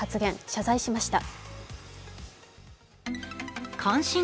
謝罪しました。